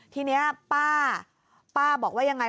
ทีนี้ป้าป้าบอกว่ายังไง